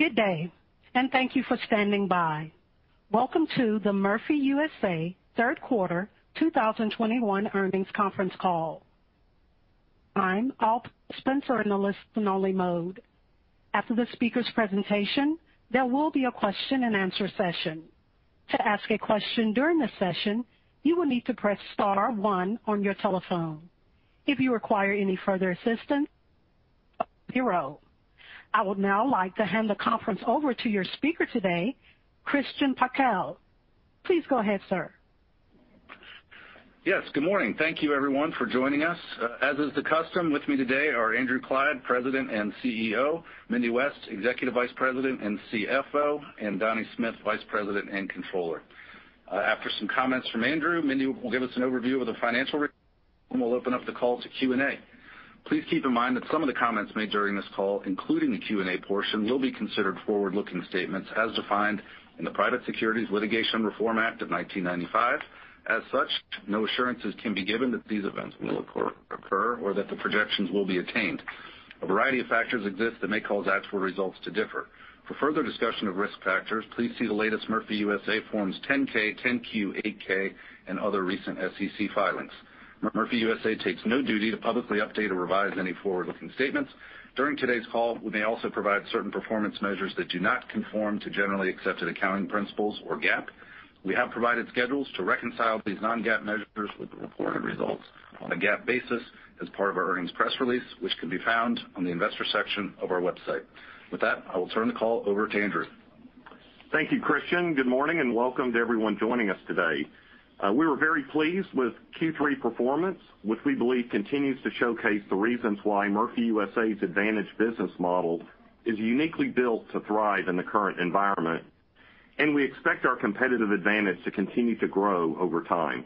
Good day, and thank you for standing by. Welcome to the Murphy USA Third Quarter 2021 earnings conference call. I'm Spencer, operator, in listen-only mode. After the speaker's presentation, there will be a question-and-answer session. To ask a question during the session, you will need to press star one on your telephone. If you require any further assistance, zero. I would now like to hand the conference over to your speaker today, Christian Pikul. Please go ahead, sir. Yes, good morning. Thank you everyone for joining us. As is the custom, with me today are Andrew Clyde, President and CEO, Mindy West, Executive Vice President and CFO, and Donnie Smith, Vice President and Controller. After some comments from Andrew, Mindy will give us an overview and we'll open up the call to Q&A. Please keep in mind that some of the comments made during this call, including the Q&A portion, will be considered forward-looking statements as defined in the Private Securities Litigation Reform Act of 1995. As such, no assurances can be given that these events will occur or that the projections will be attained. A variety of factors exist that may cause actual results to differ. For further discussion of risk factors, please see the latest Murphy USA forms 10-K, 10-Q, 8-K, and other recent SEC filings. Murphy USA takes no duty to publicly update or revise any forward-looking statements. During today's call, we may also provide certain performance measures that do not conform to generally accepted accounting principles or GAAP. We have provided schedules to reconcile these non-GAAP measures with the reported results on a GAAP basis as part of our earnings press release, which can be found on the investor section of our website. With that, I will turn the call over to Andrew. Thank you, Christian. Good morning and welcome to everyone joining us today. We were very pleased with Q3 performance, which we believe continues to showcase the reasons why Murphy USA's advantage business model is uniquely built to thrive in the current environment, and we expect our competitive advantage to continue to grow over time.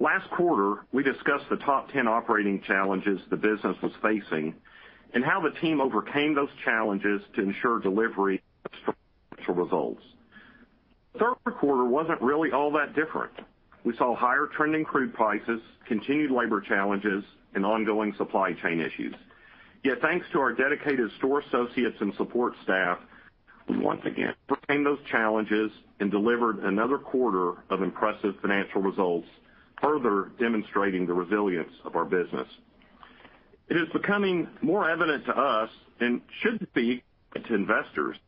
Last quarter, we discussed the top ten operating challenges the business was facing and how the team overcame those challenges to ensure delivery of structural results. Third quarter wasn't really all that different. We saw higher trending crude prices, continued labor challenges, and ongoing supply chain issues. Yet thanks to our dedicated store associates and support staff, we once again overcame those challenges and delivered another quarter of impressive financial results, further demonstrating the resilience of our business. It is becoming more evident to us, and should be to investors, that the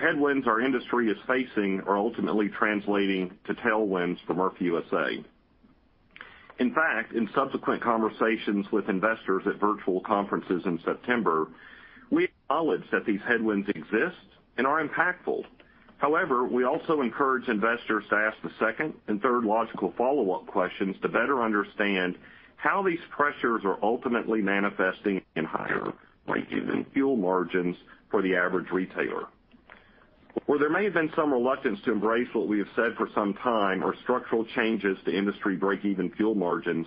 headwinds our industry is facing are ultimately translating to tailwinds for Murphy USA. In fact, in subsequent conversations with investors at virtual conferences in September, we acknowledged that these headwinds exist and are impactful. However, we also encourage investors to ask the second and third logical follow-up questions to better understand how these pressures are ultimately manifesting in higher breakeven fuel margins for the average retailer. Where there may have been some reluctance to embrace what we have said for some time are structural changes to industry breakeven fuel margins,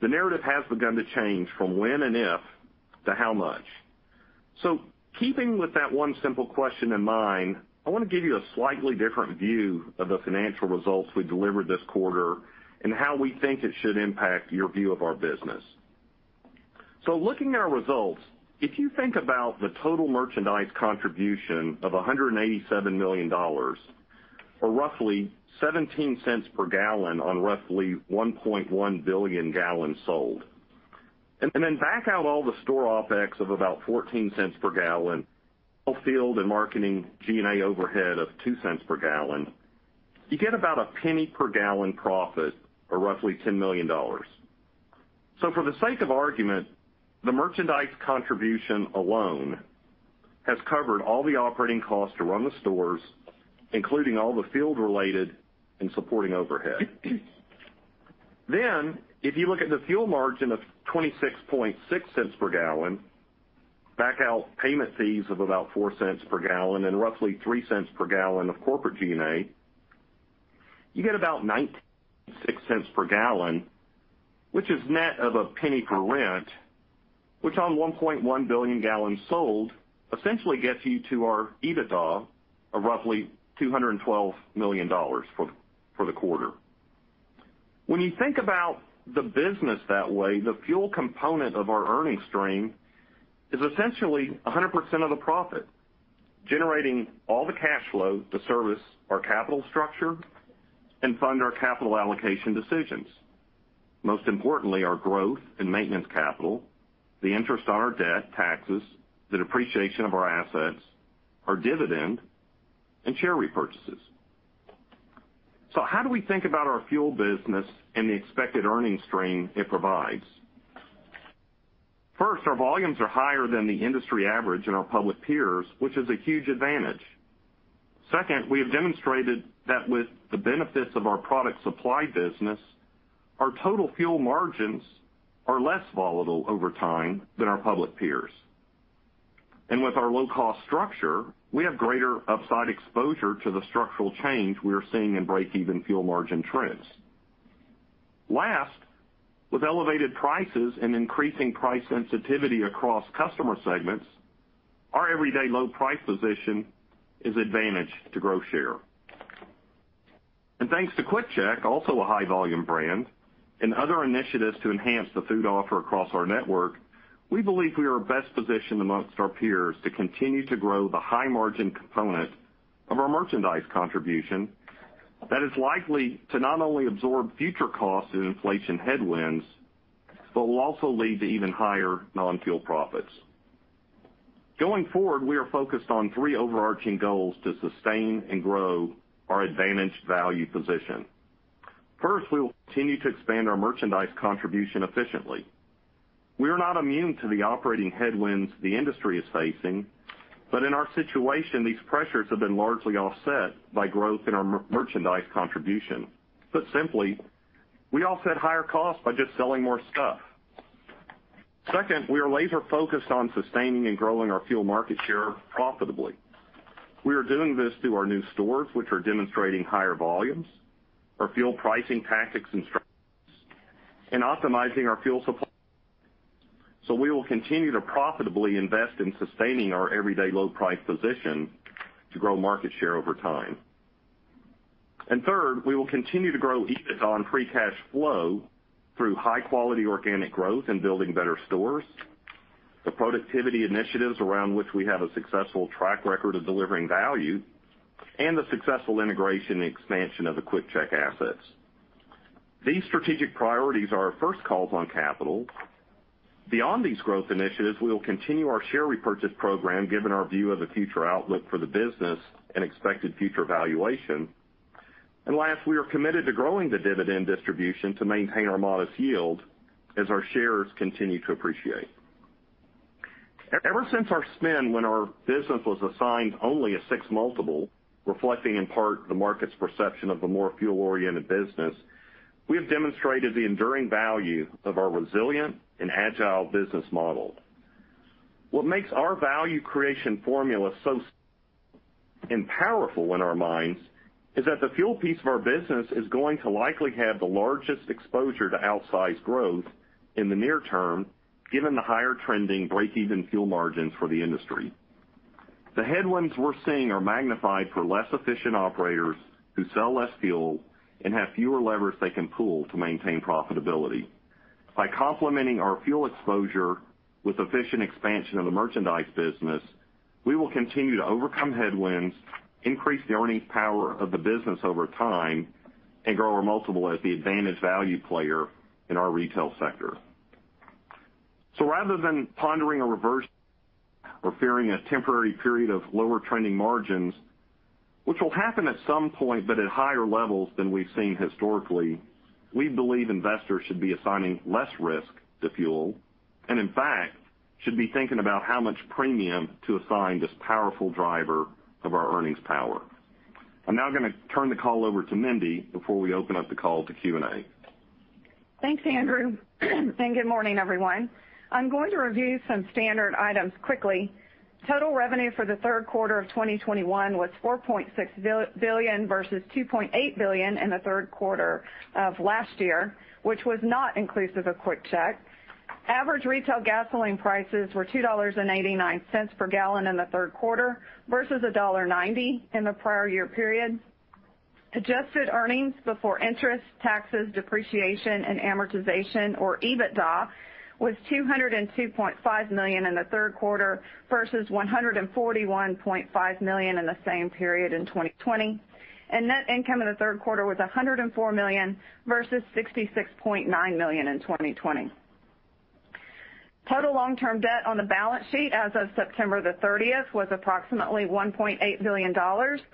the narrative has begun to change from when and if to how much. Keeping with that one simple question in mind, I wanna give you a slightly different view of the financial results we delivered this quarter and how we think it should impact your view of our business. Looking at our results, if you think about the total merchandise contribution of $187 million, or roughly $0.17 per gallon on roughly 1.1 billion gallons sold, and then back out all the store OpEx of about $0.14 per gallon, all field and marketing G&A overhead of $0.02 per gallon, you get about a penny per gallon profit, or roughly $10 million. For the sake of argument, the merchandise contribution alone has covered all the operating costs to run the stores, including all the field-related and supporting overhead. If you look at the fuel margin of $0.266 per gallon, back out payment fees of about $0.04 per gallon and roughly $0.03 per gallon of corporate G&A, you get about $0.196 per gallon, which is net of a penny per rent, which on 1.1 billion gallons sold essentially gets you to our EBITDA of roughly $212 million for the quarter. When you think about the business that way, the fuel component of our earnings stream is essentially 100% of the profit, generating all the cash flow to service our capital structure and fund our capital allocation decisions. Most importantly, our growth and maintenance capital, the interest on our debt, taxes, the depreciation of our assets, our dividend, and share repurchases. How do we think about our fuel business and the expected earnings stream it provides? First, our volumes are higher than the industry average in our public peers, which is a huge advantage. Second, we have demonstrated that with the benefits of our product supply business, our total fuel margins are less volatile over time than our public peers. With our low-cost structure, we have greater upside exposure to the structural change we are seeing in break-even fuel margin trends. Last, with elevated prices and increasing price sensitivity across customer segments, our everyday low price position is an advantage to grow share. Thanks to QuickChek, also a high volume brand, and other initiatives to enhance the food offer across our network, we believe we are best positioned amongst our peers to continue to grow the high margin component of our merchandise contribution that is likely to not only absorb future costs and inflation headwinds, but will also lead to even higher non-fuel profits. Going forward, we are focused on three overarching goals to sustain and grow our advantaged value position. First, we will continue to expand our merchandise contribution efficiently. We are not immune to the operating headwinds the industry is facing, but in our situation, these pressures have been largely offset by growth in our merchandise contribution. Put simply, we offset higher costs by just selling more stuff. Second, we are laser focused on sustaining and growing our fuel market share profitably. We are doing this through our new stores, which are demonstrating higher volumes, our fuel pricing tactics and strategies, and optimizing our fuel supply. We will continue to profitably invest in sustaining our everyday low price position to grow market share over time. Third, we will continue to grow EBITDA and free cash flow through high quality organic growth and building better stores, the productivity initiatives around which we have a successful track record of delivering value, and the successful integration and expansion of the QuickChek assets. These strategic priorities are our first calls on capital. Beyond these growth initiatives, we will continue our share repurchase program given our view of the future outlook for the business and expected future valuation. Last, we are committed to growing the dividend distribution to maintain our modest yield as our shares continue to appreciate. Ever since our spin when our business was assigned only a 6x multiple, reflecting in part the market's perception of the more fuel-oriented business, we have demonstrated the enduring value of our resilient and agile business model. What makes our value creation formula so unique and powerful in our minds is that the fuel piece of our business is going to likely have the largest exposure to outsized growth in the near term, given the higher trending break-even fuel margins for the industry. The headwinds we're seeing are magnified for less efficient operators who sell less fuel and have fewer levers they can pull to maintain profitability. By complementing our fuel exposure with efficient expansion of the merchandise business, we will continue to overcome headwinds, increase the earnings power of the business over time, and grow our multiple as the advantaged value player in our retail sector. Rather than pondering a reverse or fearing a temporary period of lower trending margins, which will happen at some point, but at higher levels than we've seen historically, we believe investors should be assigning less risk to fuel, and in fact, should be thinking about how much premium to assign this powerful driver of our earnings power. I'm now gonna turn the call over to Mindy before we open up the call to Q&A. Thanks, Andrew. Good morning, everyone. I'm going to review some standard items quickly. Total revenue for the third quarter of 2021 was $4.6 billion versus $2.8 billion in the third quarter of last year, which was not inclusive of QuickChek. Average retail gasoline prices were $2.89 per gallon in the third quarter versus $1.90 in the prior year period. Adjusted earnings before interest, taxes, depreciation, and amortization, or EBITDA, was $202.5 million in the third quarter versus $141.5 million in the same period in 2020. Net income in the third quarter was $104 million versus $66.9 million in 2020. Total long-term debt on the balance sheet as of September 30th was approximately $1.8 billion,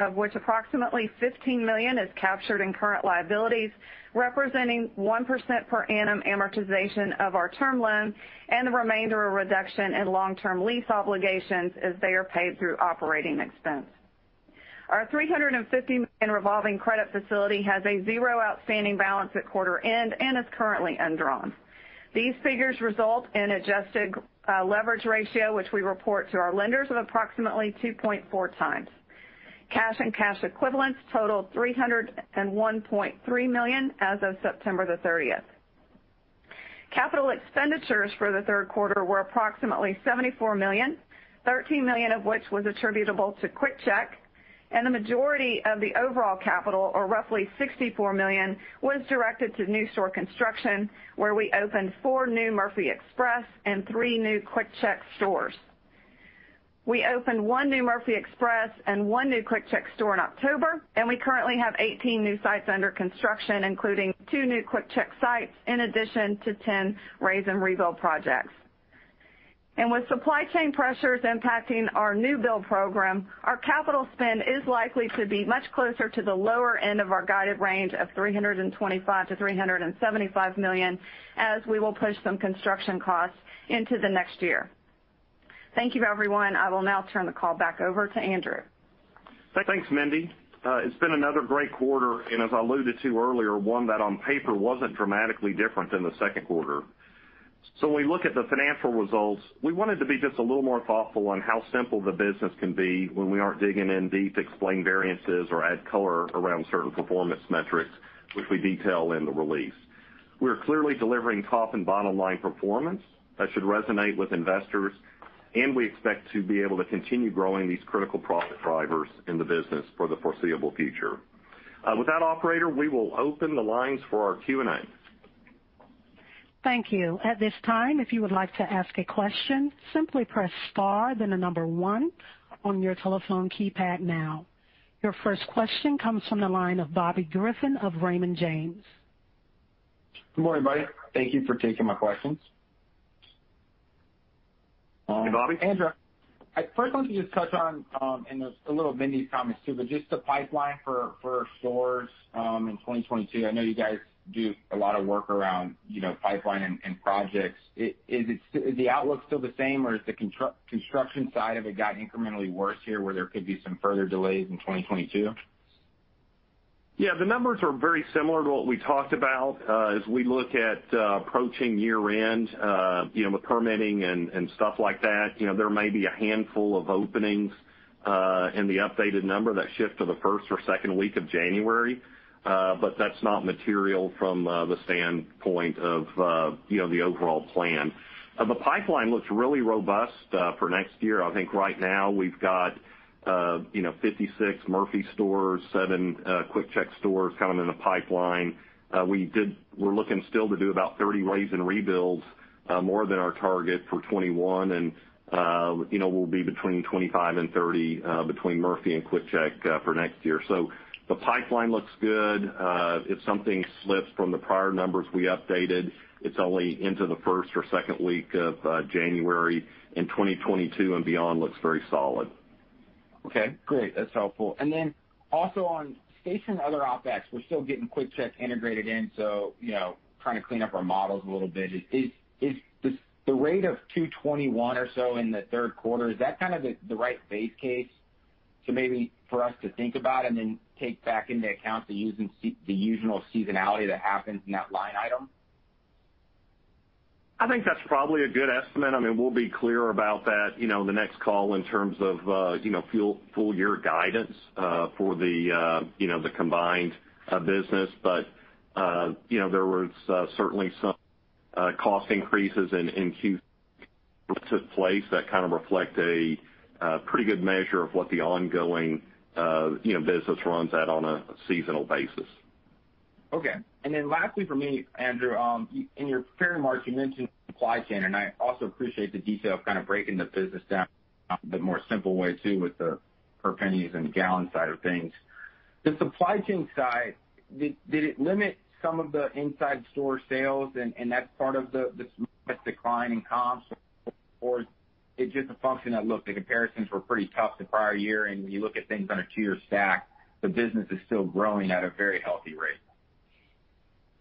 of which approximately $15 million is captured in current liabilities, representing 1% per annum amortization of our term loan and the remainder a reduction in long-term lease obligations as they are paid through operating expense. Our $350 million revolving credit facility has a $0 outstanding balance at quarter end and is currently undrawn. These figures result in adjusted leverage ratio, which we report to our lenders of approximately 2.4x. Cash and cash equivalents totaled $301.3 million as of September 30th. Capital expenditures for the third quarter were approximately $74 million, $13 million of which was attributable to QuickChek, and the majority of the overall capital, or roughly $64 million, was directed to new store construction, where we opened four new Murphy Express and three new QuickChek stores. We opened one new Murphy Express and one new QuickChek store in October, and we currently have 18 new sites under construction, including two new QuickChek sites in addition to 10 raze and rebuild projects. With supply chain pressures impacting our new build program, our capital spend is likely to be much closer to the lower end of our guided range of $325 million-$375 million as we will push some construction costs into the next year. Thank you, everyone. I will now turn the call back over to Andrew. Thanks, Mindy. It's been another great quarter, and as I alluded to earlier, one that on paper wasn't dramatically different than the second quarter. When we look at the financial results, we wanted to be just a little more thoughtful on how simple the business can be when we aren't digging in deep to explain variances or add color around certain performance metrics, which we detail in the release. We're clearly delivering top and bottom line performance that should resonate with investors, and we expect to be able to continue growing these critical profit drivers in the business for the foreseeable future. With that operator, we will open the lines for our Q&A. Thank you. At this time, if you would like to ask a question, simply press star then the number one on your telephone keypad now. Your first question comes from the line of Bobby Griffin of Raymond James. Good morning, everybody. Thank you for taking my questions. Hey, Bobby. Andrew, I'd first like to just touch on and a little of Mindy's comments too, but just the pipeline for stores in 2022. I know you guys do a lot of work around, you know, pipeline and projects. Is the outlook still the same or has the construction side of it gotten incrementally worse here, where there could be some further delays in 2022? Yeah. The numbers are very similar to what we talked about. As we look at approaching year-end, you know, with permitting and stuff like that, you know, there may be a handful of openings in the updated number that shift to the first or second week of January. That's not material from the standpoint of you know, the overall plan. The pipeline looks really robust for next year. I think right now we've got you know, 56 Murphy stores, seven QuickChek stores kind of in the pipeline. We're looking still to do about 30 raze and rebuilds, more than our target for 2021. You know, we'll be between 25 and 30 between Murphy and QuickChek for next year. The pipeline looks good. If something slips from the prior numbers we updated, it's only into the first or second week of January, and 2022 and beyond looks very solid. Okay. Great. That's helpful. Also on station other OpEx, we're still getting QuickChek integrated in, so, you know, trying to clean up our models a little bit. Is the rate of 221 or so in the third quarter the right base case to maybe for us to think about and then take back into account the usual seasonality that happens in that line item? I think that's probably a good estimate. I mean, we'll be clear about that, you know, in the next call in terms of full-year guidance for the combined business. You know, there was certainly some cost increases in Q3 that took place that kind of reflect a pretty good measure of what the ongoing business runs at on a seasonal basis. Okay. Lastly for me, Andrew, in your prepared remarks, you mentioned supply chain, and I also appreciate the detail of kind of breaking the business down the more simple way, too, with the pennies per gallon side of things. The supply chain side, did it limit some of the inside store sales and that's part of this modest decline in comps? Or it's just a function of, look, the comparisons were pretty tough the prior year, and when you look at things on a two-year stack, the business is still growing at a very healthy rate.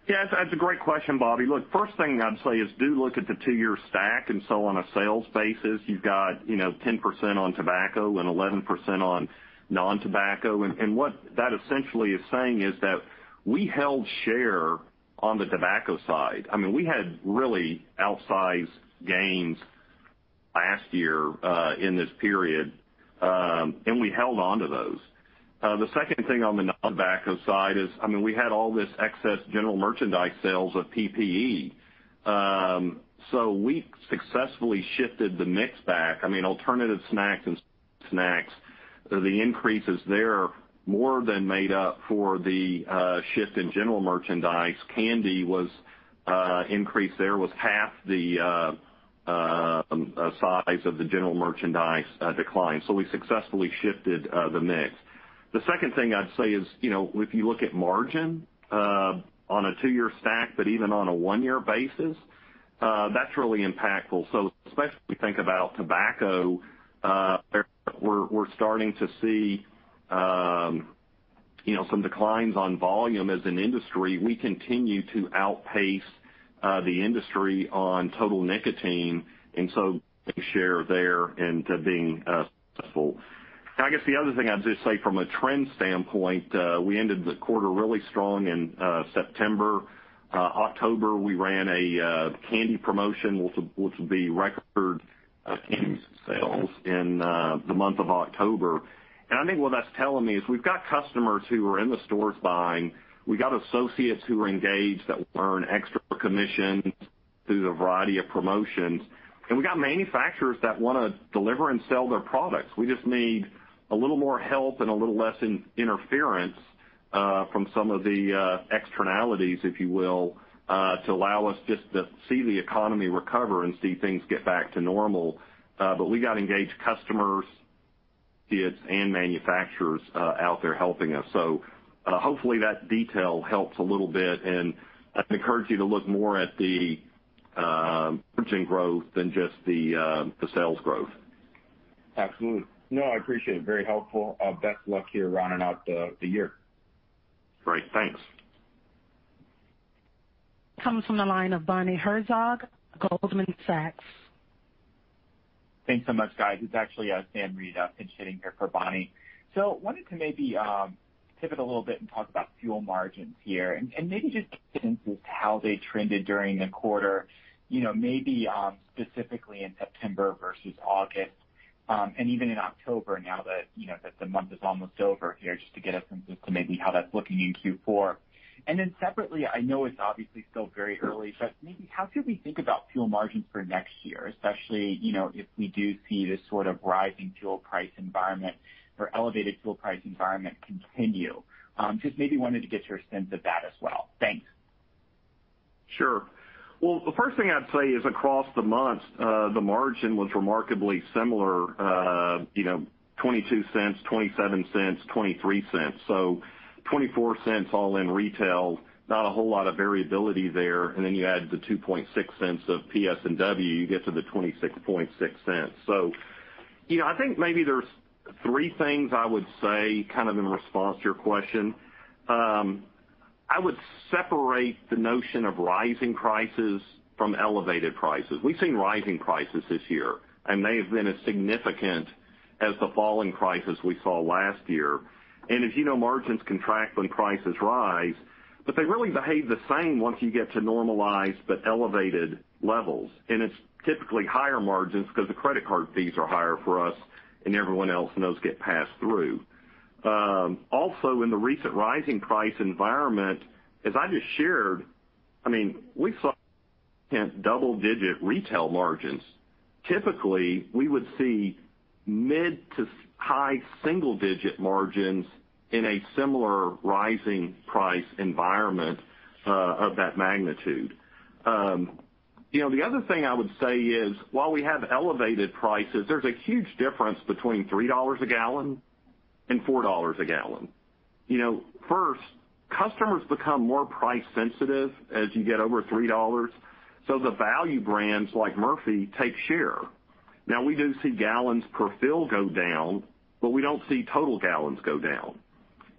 Yeah, that's a great question, Bobby. Look, first thing I'd say is do look at the two-year stack. On a sales basis, you've got, you know, 10% on tobacco and 11% on non-tobacco. And what that essentially is saying is that we held share on the tobacco side. I mean, we had really outsized gains last year in this period, and we held onto those. The second thing on the non-tobacco side is, I mean, we had all this excess general merchandise sales of PPE. So we successfully shifted the mix back. I mean, alternative snacks and snacks, the increases there more than made up for the shift in general merchandise. Candy was, increase there was half the size of the general merchandise decline. So we successfully shifted the mix. The second thing I'd say is, you know, if you look at margin on a two-year stack, but even on a one-year basis, that's really impactful. Especially if we think about tobacco, we're starting to see, you know, some declines on volume as an industry. We continue to outpace the industry on total nicotine and so share there and being successful. I guess the other thing I'd just say from a trend standpoint, we ended the quarter really strong in September. October, we ran a candy promotion, which will be record candy sales in the month of October. I think what that's telling me is we've got customers who are in the stores buying. We've got associates who are engaged that will earn extra commissions through the variety of promotions. We got manufacturers that wanna deliver and sell their products. We just need a little more help and a little less interference from some of the externalities, if you will, to allow us just to see the economy recover and see things get back to normal. We got engaged customers, associates, and manufacturers out there helping us. Hopefully, that detail helps a little bit. I'd encourage you to look more at the margin growth than just the sales growth. Absolutely. No, I appreciate it. Very helpful. Best luck to you rounding out the year. Great. Thanks. Comes from the line of Bonnie Herzog, Goldman Sachs. Thanks so much, guys. It's actually Sam Reid pinch hitting here for Bonnie. Wanted to maybe pivot a little bit and talk about fuel margins here and maybe just get into how they trended during the quarter, you know, maybe specifically in September versus August, even in October now that you know that the month is almost over here, just to get a sense as to maybe how that's looking in Q4. Separately, I know it's obviously still very early, but maybe how should we think about fuel margins for next year, especially you know if we do see this sort of rising fuel price environment or elevated fuel price environment continue? Just maybe wanted to get your sense of that as well. Thanks. Sure. Well, the first thing I'd say is across the months, the margin was remarkably similar, you know, $0.22, $0.27, $0.23. $0.24 all in retail, not a whole lot of variability there. Then you add the $0.026 of PS&W, you get to the $0.266. You know, I think maybe there's three things I would say kind of in response to your question. I would separate the notion of rising prices from elevated prices. We've seen rising prices this year, and they have been as significant as the falling prices we saw last year. As you know, margins contract when prices rise, but they really behave the same once you get to normalized but elevated levels. It's typically higher margins 'cause the credit card fees are higher for us and everyone else, and those get passed through. Also, in the recent rising price environment, as I just shared, I mean, we saw double-digit retail margins. Typically, we would see mid- to high-single-digit margins in a similar rising price environment of that magnitude. You know, the other thing I would say is, while we have elevated prices, there's a huge difference between $3 a gallon and $4 a gallon. You know, first, customers become more price sensitive as you get over $3, so the value brands like Murphy take share. Now, we do see gallons per fill go down, but we don't see total gallons go down.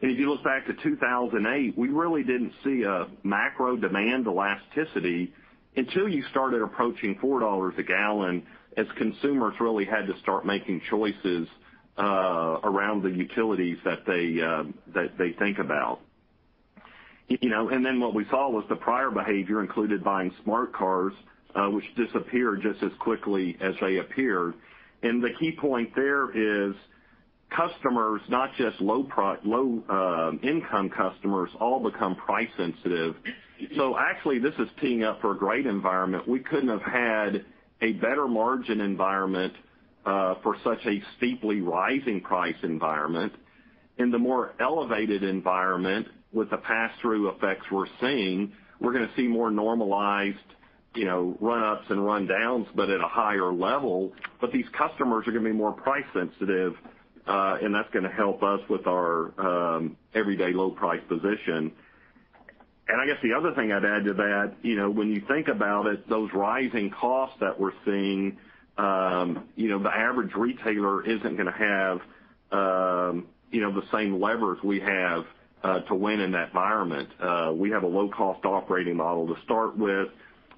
If you look back to 2008, we really didn't see a macro demand elasticity until you started approaching $4 a gallon as consumers really had to start making choices around the utilities that they think about. You know, then what we saw was the prior behavior included buying smart cars, which disappeared just as quickly as they appeared. The key point there is customers, not just low income customers, all become price sensitive. Actually this is teeing up for a great environment. We couldn't have had a better margin environment for such a steeply rising price environment. In the more elevated environment with the pass-through effects we're seeing, we're gonna see more normalized, you know, run-ups and rundowns, but at a higher level. These customers are gonna be more price sensitive, and that's gonna help us with our everyday low price position. I guess the other thing I'd add to that, you know, when you think about it, those rising costs that we're seeing, you know, the average retailer isn't gonna have, you know, the same levers we have to win in that environment. We have a low-cost operating model to start with.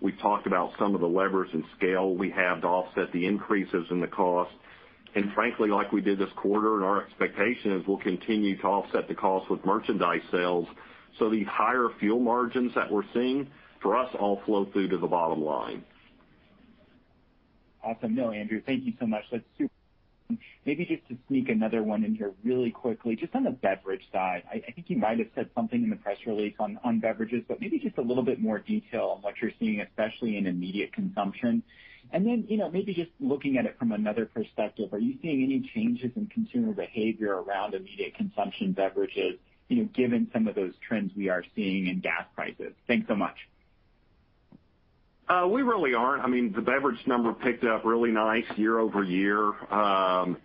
We've talked about some of the levers and scale we have to offset the increases in the cost. Frankly, like we did this quarter and our expectation is we'll continue to offset the cost with merchandise sales. These higher fuel margins that we're seeing, for us, all flow through to the bottom line. Awesome. No, Andrew, thank you so much. That's super. Maybe just to sneak another one in here really quickly, just on the beverage side. I think you might have said something in the press release on beverages, but maybe just a little bit more detail on what you're seeing, especially in immediate consumption. You know, maybe just looking at it from another perspective, are you seeing any changes in consumer behavior around immediate consumption beverages, you know, given some of those trends we are seeing in gas prices? Thanks so much. We really aren't. I mean, the beverage number picked up really nice year-over-year.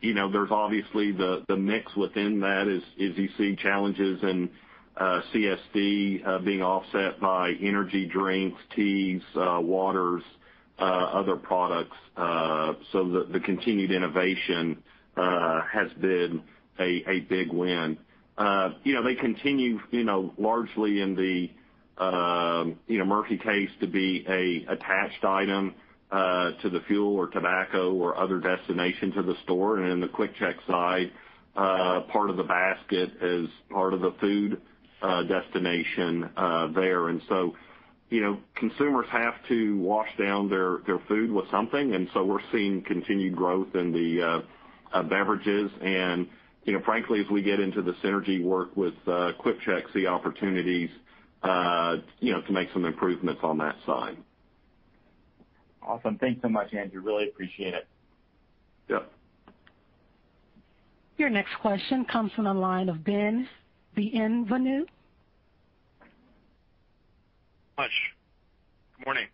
You know, there's obviously the mix within that is you see challenges in CSD being offset by energy drinks, teas, waters, other products. The continued innovation has been a big win. You know, they continue largely in the Murphy case to be an attached item to the fuel or tobacco or other destinations of the store. In the QuickChek side, part of the basket is part of the food destination there. You know, consumers have to wash down their food with something, and we're seeing continued growth in the beverages. You know, frankly, as we get into the synergy work with QuickChek, see opportunities, you know, to make some improvements on that side. Awesome. Thanks so much, Andrew. I really appreciate it. Yep. Your next question comes from the line of Ben Bienvenu. Good morning.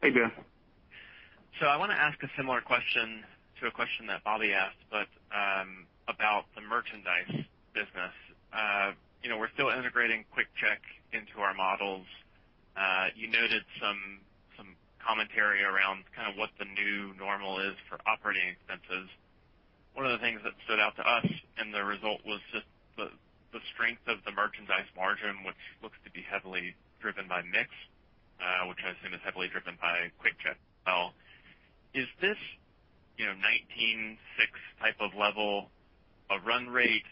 Hey, Ben. I wanna ask a similar question to a question that Bobby asked, but about the merchandise business. You know, we're still integrating QuickChek into our models. You noted some commentary around kind of what the new normal is for operating expenses. One of the things that stood out to us and the result was just the strength of the merchandise margin, which looks to be heavily driven by mix, which I assume is heavily driven by QuickChek as well. Is this, you know, 19.6% type of level a run rate?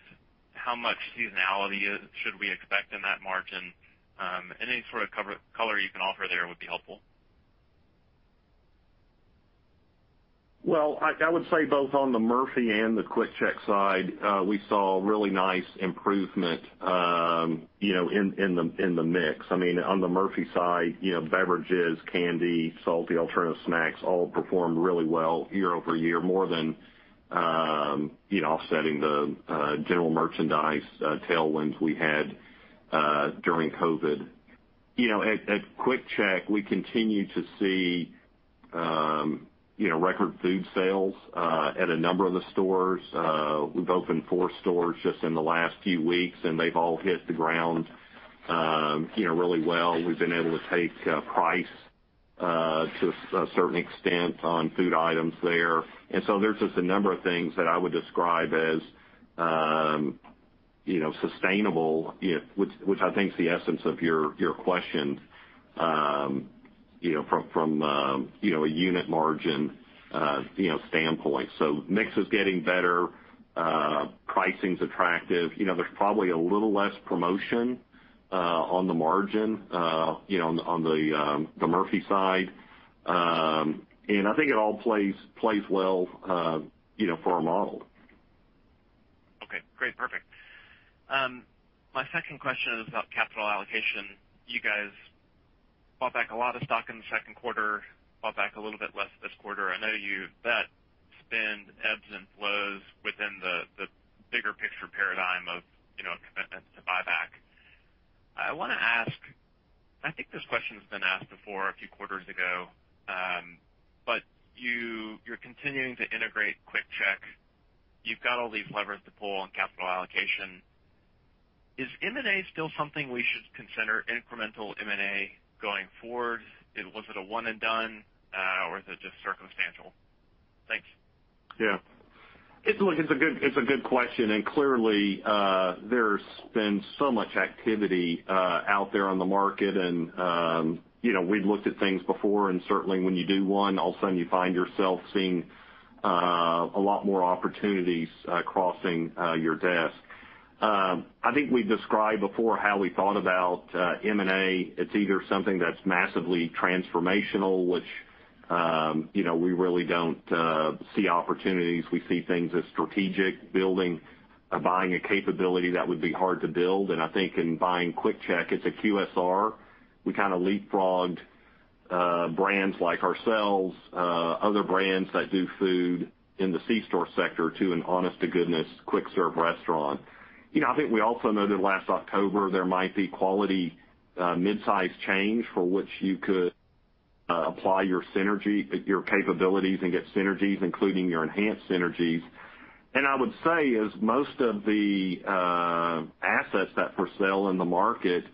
How much seasonality should we expect in that margin? Any sort of color you can offer there would be helpful. Well, I would say both on the Murphy and the QuickChek side, we saw really nice improvement, you know, in the mix. I mean, on the Murphy side, you know, beverages, candy, salty alternative snacks all performed really well year-over-year, more than you know, offsetting the general merchandise tailwinds we had during COVID. You know, at QuickChek, we continue to see, you know, record food sales at a number of the stores. We've opened four stores just in the last few weeks, and they've all hit the ground, you know, really well. We've been able to take price to a certain extent on food items there. There's just a number of things that I would describe as, you know, sustainable, you know, which I think is the essence of your question, you know, from, you know, a unit margin, you know, standpoint. Mix is getting better. Pricing's attractive. You know, there's probably a little less promotion, on the margin, you know, on the Murphy side. I think it all plays well, you know, for our model. Okay. Great. Perfect. My second question is about capital allocation. You guys bought back a lot of stock in the second quarter, bought back a little bit less this quarter. I know that spend ebbs and flows within the bigger picture paradigm of, you know, a commitment to buyback. I wanna ask, I think this question's been asked before a few quarters ago, but you're continuing to integrate QuickChek. You've got all these levers to pull on capital allocation. Is M&A still something we should consider, incremental M&A going forward? Was it a one and done, or is it just circumstantial? Thanks. Yeah. Look, it's a good question, and clearly, there's been so much activity out there on the market and, you know, we'd looked at things before, and certainly when you do one, all of a sudden you find yourself seeing a lot more opportunities crossing your desk. I think we've described before how we thought about M&A. It's either something that's massively transformational, which, you know, we really don't see opportunities. We see things as strategic, building or buying a capability that would be hard to build. I think in buying QuickChek, it's a QSR. We kind of leapfrogged brands like ourselves, other brands that do food in the C-store sector to an honest-to-goodness quick serve restaurant. You know, I think we also know that last October, there might be quality midsize chain for which you could apply your synergy, your capabilities and get synergies, including your enhanced synergies. I would say most of the assets that are for sale in the market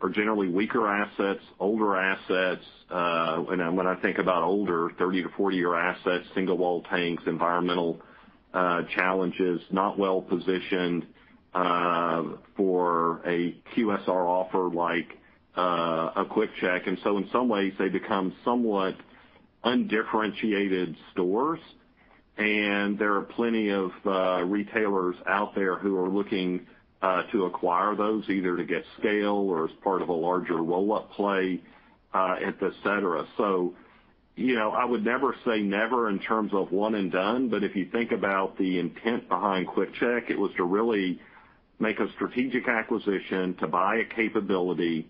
are generally weaker assets, older assets, and when I think about older, 30-40-year assets, single-wall tanks, environmental challenges, not well positioned for a QSR offer like a QuickChek. In some ways, they become somewhat undifferentiated stores, and there are plenty of retailers out there who are looking to acquire those, either to get scale or as part of a larger roll-up play, et cetera. you know, I would never say never in terms of one and done, but if you think about the intent behind QuickChek, it was to really make a strategic acquisition, to buy a capability.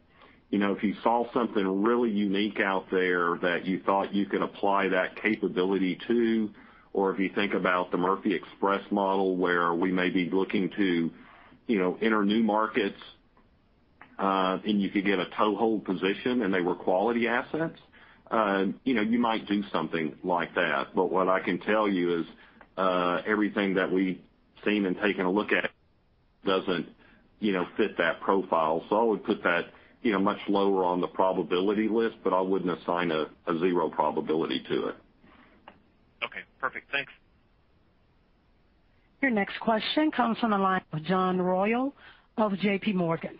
You know, if you saw something really unique out there that you thought you could apply that capability to, or if you think about the Murphy Express model, where we may be looking to, you know, enter new markets, and you could get a toehold position and they were quality assets, you know, you might do something like that. But what I can tell you is, everything that we've seen and taken a look at doesn't, you know, fit that profile. I would put that, you know, much lower on the probability list, but I wouldn't assign a zero probability to it. Okay. Perfect. Thanks. Your next question comes from the line of John Royall of JPMorgan.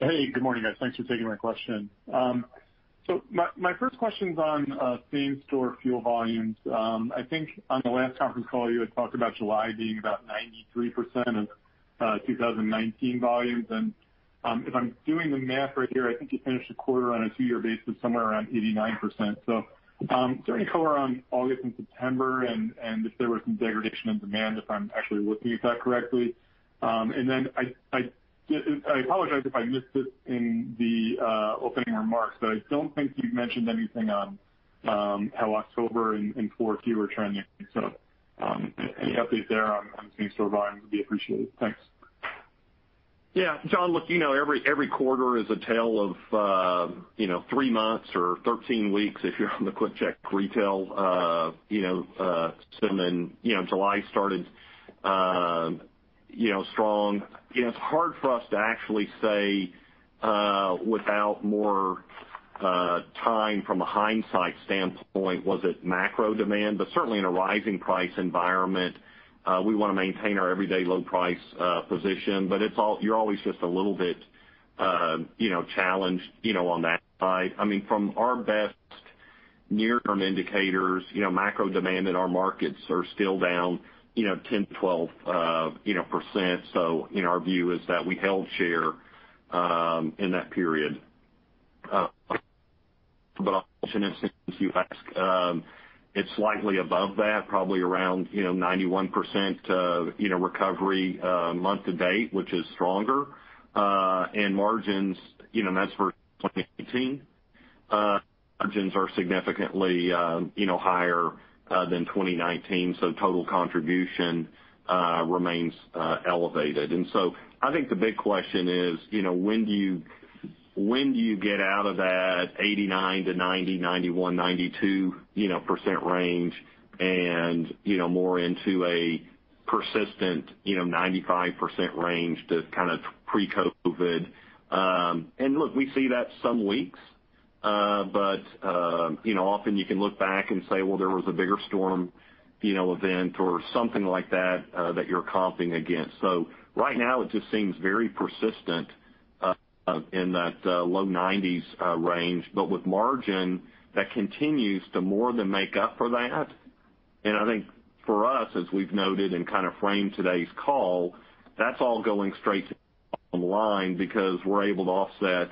Hey, good morning, guys. Thanks for taking my question. My first question's on same-store fuel volumes. I think on the last conference call, you had talked about July being about 93% of 2019 volumes. If I'm doing the math right here, I think you finished the quarter on a two-year basis somewhere around 89%. Is there any color on August and September and if there was some degradation in demand, if I'm actually looking at that correctly? I apologize if I missed it in the opening remarks, but I don't think you've mentioned anything on how October and fourth quarter are trending. Any update there on same-store volumes would be appreciated. Thanks. Yeah. John, look, you know, every quarter is a tale of three months or 13 weeks if you're on the QuickChek retail segment. You know, July started strong. You know, it's hard for us to actually say without more time from a hindsight standpoint, was it macro demand? But certainly in a rising price environment, we wanna maintain our everyday low price position, but it's all, you're always just a little bit, you know, challenged, you know, on that side. I mean, from our best near-term indicators, you know, macro demand in our markets are still down, you know, 10%-12%. So, you know, our view is that we held share in that period. Since you ask, it's slightly above that, probably around, you know, 91% of, you know, recovery, month to date, which is stronger. Margins, you know, and that's for 2018, margins are significantly, you know, higher than 2019, so total contribution remains elevated. I think the big question is, you know, when do you get out of that 89%-90%, 91%, 92%, you know, percent range and, you know, more into a persistent, you know, 95% range to kind of pre-COVID. Look, we see that some weeks, but you know, often you can look back and say, well, there was a bigger storm, you know, event or something like that that you're comping against. Right now it just seems very persistent in that low-90s range, but with margin that continues to more than make up for that. I think for us, as we've noted and kind of framed today's call, that's all going straight to the line because we're able to offset,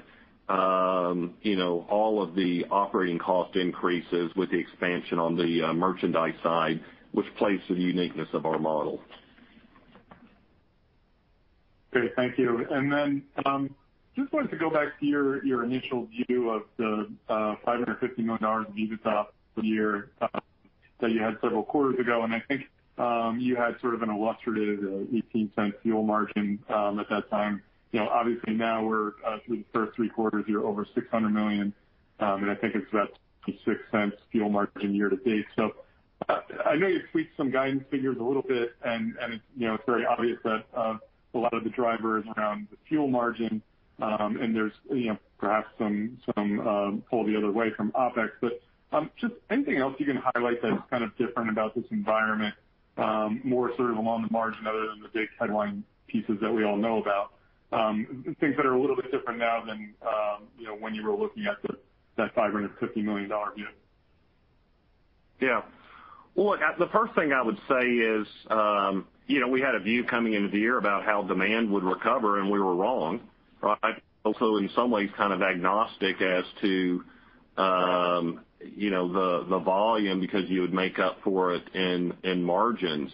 you know, all of the operating cost increases with the expansion on the merchandise side, which plays to the uniqueness of our model. Okay, thank you. Just wanted to go back to your initial view of the $550 million of EBITDA for the year that you had several quarters ago. I think you had sort of an illustrative $0.18 fuel margin at that time. You know, obviously now we're through the first three quarters, you're over $600 million. I think it's about $0.66 fuel margin year to date. I know you tweaked some guidance figures a little bit, and you know, it's very obvious that a lot of the drivers around the fuel margin and there's you know, perhaps some pull the other way from OpEx. Just anything else you can highlight that's kind of different about this environment, more sort of along the margin other than the big headline pieces that we all know about? Things that are a little bit different now than, you know, when you were looking at that $550 million view. Well, look, the first thing I would say is, you know, we had a view coming into the year about how demand would recover, and we were wrong, right? Also, in some ways, kind of agnostic as to, you know, the volume because you would make up for it in margins.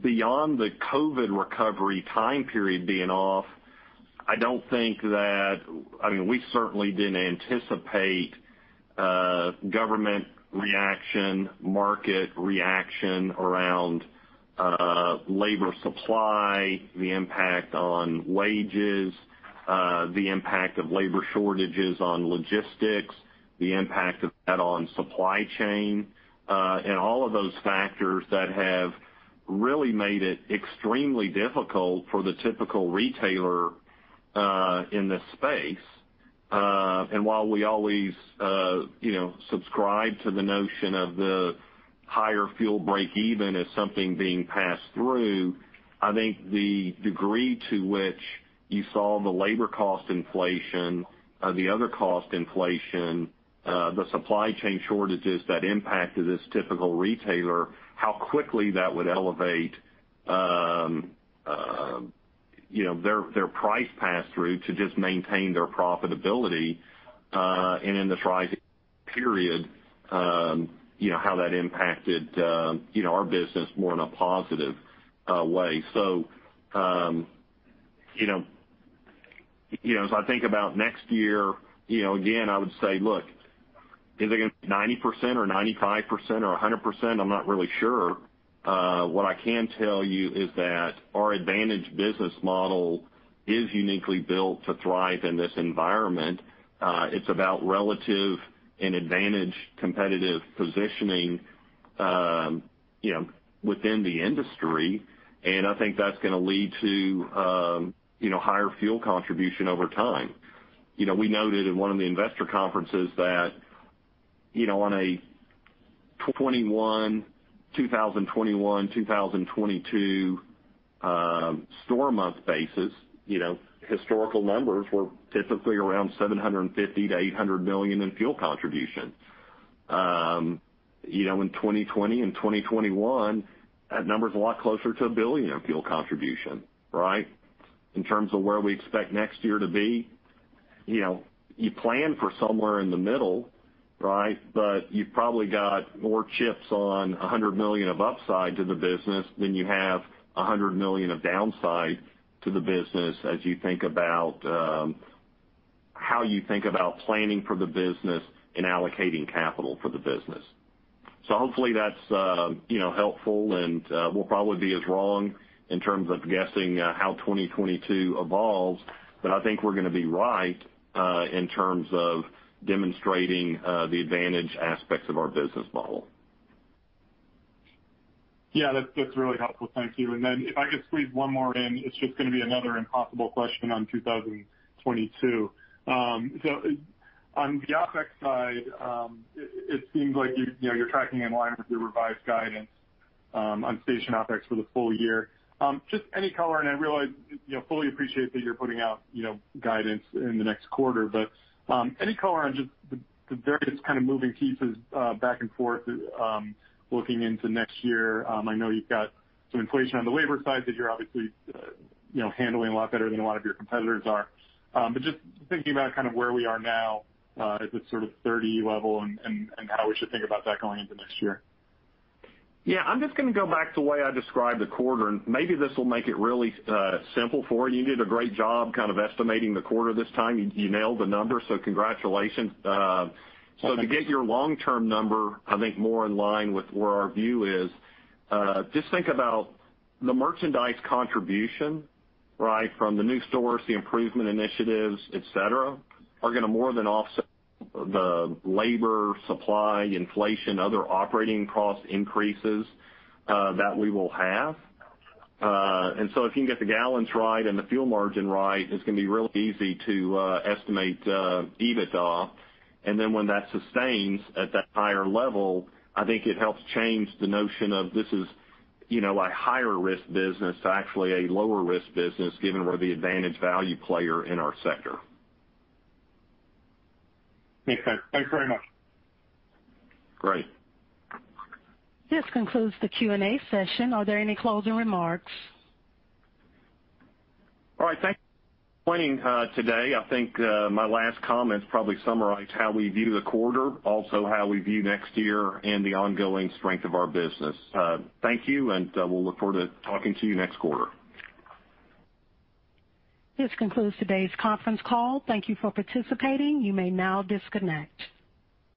Beyond the COVID recovery time period being off, I don't think. I mean, we certainly didn't anticipate government reaction, market reaction around labor supply, the impact on wages, the impact of labor shortages on logistics, the impact of that on supply chain, and all of those factors that have really made it extremely difficult for the typical retailer in this space. While we always, you know, subscribe to the notion of the higher fuel break even as something being passed through, I think the degree to which you saw the labor cost inflation, the other cost inflation, the supply chain shortages that impacted this typical retailer, how quickly that would elevate, you know, their price pass-through to just maintain their profitability, and in this rising period, you know, how that impacted, you know, our business more in a positive way. You know, as I think about next year, you know, again, I would say, look, is it gonna be 90% or 95% or 100%? I'm not really sure. What I can tell you is that our advantage business model is uniquely built to thrive in this environment. It's about relative competitive advantage positioning, you know, within the industry, and I think that's gonna lead to, you know, higher fuel contribution over time. You know, we noted in one of the investor conferences that, you know, on a 2021-2022 store month basis, you know, historical numbers were typically around $750 million-$800 million in fuel contribution. You know, in 2020 and 2021, that number's a lot closer to $1 billion in fuel contribution, right? In terms of where we expect next year to be, you know, you plan for somewhere in the middle, right? You've probably got more chips on $100 million of upside to the business than you have $100 million of downside to the business as you think about how you think about planning for the business and allocating capital for the business. Hopefully that's, you know, helpful, and we'll probably be as wrong in terms of guessing how 2022 evolves, but I think we're gonna be right in terms of demonstrating the advantage aspects of our business model. Yeah, that's really helpful. Thank you. If I could squeeze one more in, it's just gonna be another impossible question on 2022. So on the OpEx side, it seems like you're, you know, you're tracking in line with your revised guidance on station OpEx for the full year. Just any color, and I realize, you know, fully appreciate that you're putting out, you know, guidance in the next quarter, but any color on just the various kind of moving pieces back and forth looking into next year? I know you've got some inflation on the labor side that you're obviously, you know, handling a lot better than a lot of your competitors are. Just thinking about kind of where we are now, at this sort of 30 level and how we should think about that going into next year. Yeah, I'm just gonna go back to the way I described the quarter, and maybe this will make it really simple for you. You did a great job kind of estimating the quarter this time. You nailed the numbers, so congratulations. Well, thank you. To get your long-term number, I think more in line with where our view is, just think about the merchandise contribution, right? From the new stores, the improvement initiatives, et cetera, are gonna more than offset the labor supply inflation, other operating cost increases, that we will have. If you can get the gallons right and the fuel margin right, it's gonna be really easy to estimate EBITDA. When that sustains at that higher level, I think it helps change the notion of this is, you know, a higher risk business to actually a lower risk business given we're the advantaged value player in our sector. Makes sense. Thanks very much. Great. This concludes the Q&A session. Are there any closing remarks? All right. Thanks for joining today. I think my last comments probably summarize how we view the quarter, also how we view next year and the ongoing strength of our business. Thank you, and we'll look forward to talking to you next quarter. This concludes today's conference call. Thank you for participating. You may now disconnect.